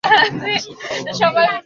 সত্যটা বলতে হবে।